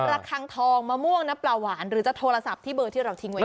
ระคังทองมะม่วงน้ำปลาหวานหรือจะโทรศัพท์ที่เบอร์ที่เราทิ้งไว้